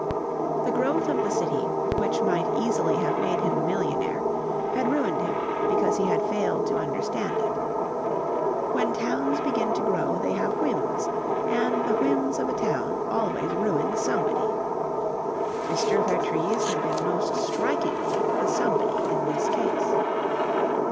The growth of the city, which might easily have made him a millionaire, had ruined him because he had failed to understand it. When towns begin to grow they have whims, and the whims of a town always ruin somebody. Mr. Vertrees had been most strikingly the somebody in this case.